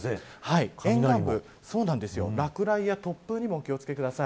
沿岸部、落雷や突風にも気を付けください。